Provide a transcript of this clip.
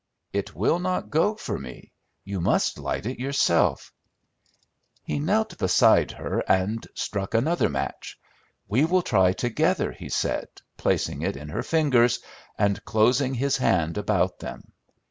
"It will not go for me. You must light it yourself." He knelt beside her and struck another match. "We will try together," he said, placing it in her fingers and closing his hand about them.